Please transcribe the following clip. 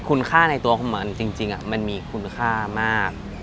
คุณค่าในตัวของมันจริงมันมีคุณค่ามาก